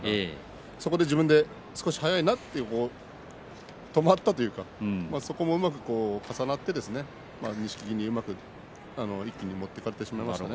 そこで自分で少し早いなと止まったというかそこをうまく重なって錦木にうまく一気に持っていかれてしまいました。